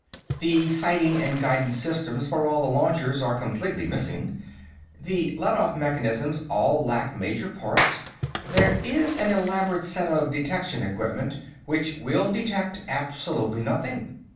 The sighting and guidance systems for all the launchers are completely missing. The letoff mechanisms all lack major parts. There is an elaborate set of detection equipment, which will detect absolutely nothing.